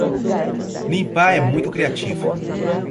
Limpar é muito criativo.